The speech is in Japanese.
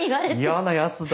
嫌なやつだ。